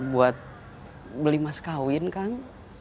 buat beli mas kawin kang